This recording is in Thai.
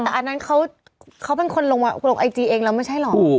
แต่อันนั้นเขาเป็นคนลงไอจีเองแล้วไม่ใช่หรอก